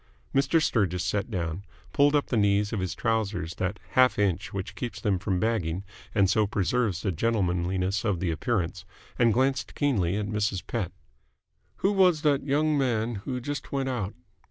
Mr. Sturgis sat down, pulled up the knees of his trousers that half inch which keeps them from bagging and so preserves the gentlemanliness of the appearance, and glanced keenly at Mrs. Pett. "Who was that young man who just went out?"